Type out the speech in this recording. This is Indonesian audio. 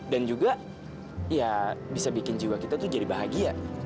dan juga ya bisa bikin juga kita tuh jadi bahagia